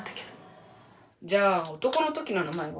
「じゃあ男のときの名前は？」。